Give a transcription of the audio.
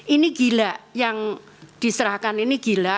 ini gila yang diserahkan ini gila